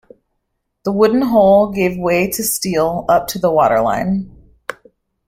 The wooden hull gave way to steel, up to the waterline.